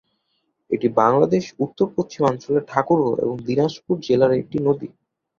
এটি বাংলাদেশের উত্তর-পশ্চিমাঞ্চলের ঠাকুরগাঁও এবং দিনাজপুর জেলার একটি নদী।